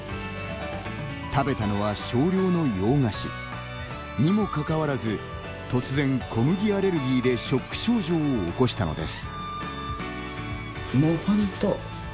食べたのは、少量の洋菓子。にもかかわらず、突然小麦アレルギーでショック症状を起こしたのです。